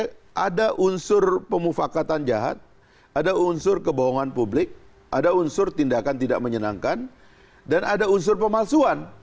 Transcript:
ada unsur pemufakatan jahat ada unsur kebohongan publik ada unsur tindakan tidak menyenangkan dan ada unsur pemalsuan